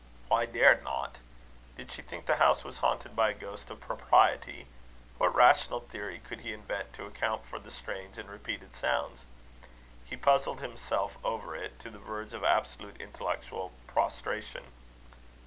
Why dared not? Did she think the house was haunted by a ghost of propriety? What rational theory could he invent to account for the strange and repeated sounds? He puzzled himself over it to the verge of absolute intellectual prostration.